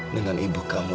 dengan ibu kamu